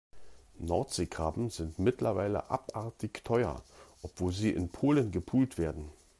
Nordseekrabben sind mittlerweile abartig teuer, obwohl sie in Polen gepult werden.